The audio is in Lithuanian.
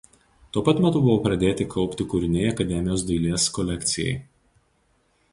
Tuo pat metu buvo pradėti kaupti kūriniai akademijos dailės kolekcijai.